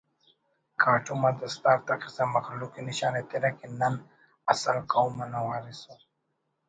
کاٹم آ دستار تخسا مخلوق ءِ نشان ایترہ کہ نن اسل قوم انا وارث اُن